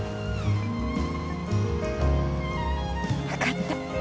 分かった。